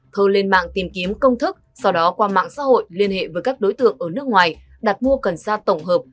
thơ lên mạng tìm kiếm công thức sau đó qua mạng xã hội liên hệ với các đối tượng ở nước ngoài đặt mua cần sa tổng hợp